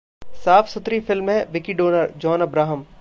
साफ-सुथरी film है ‘Vicky Donor’: John Abraham